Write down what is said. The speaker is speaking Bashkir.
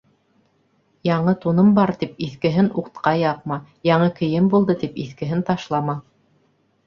Яңы туным бар тип, иҫкеһен утҡа яҡма. Яңы кейем булды тип, иҫкеһен ташлама.